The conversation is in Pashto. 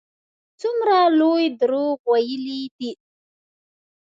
څومره لوی دروغ ویلي دي.